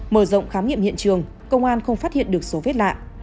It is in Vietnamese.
mở rộng khám nghiệm hiện trường công an không phát hiện được số vết lạ